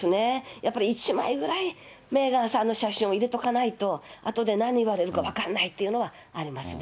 やっぱり、１枚ぐらいメーガンさんの写真を入れとかないと、あとで何言われるか分かんないっていうのはありますね。